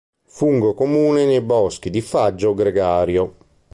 Fungo comune nei boschi di faggio, gregario.